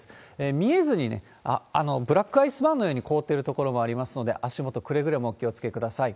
見えずに、ブラックアイスバーンのように凍ってる所もありますので、足元、くれぐれもお気をつけください。